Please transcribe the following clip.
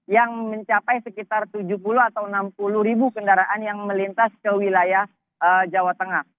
yang mencapai sekitar tujuh puluh atau enam puluh ribu kendaraan yang melintas ke wilayah jawa tengah